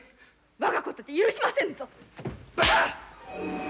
我が子とて許しませぬぞ。